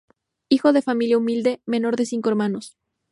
Hijo de familia humilde, menor de cinco hermanos.